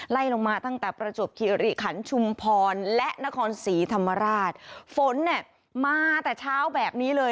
ไล่ลงมาตั้งแต่ประจวบคิริขันชุมพรและนครศรีธรรมราชฝนเนี่ยมาแต่เช้าแบบนี้เลย